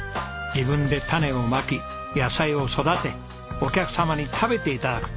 自分で種をまき野菜を育てお客様に食べて頂く。